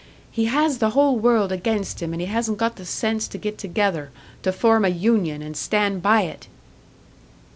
"He has the whole world against him, and he hasn't got the sense to get together to form a union, and stand by it!"